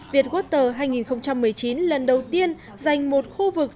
việt water hai nghìn một mươi chín lần đầu tiên giành một khu vực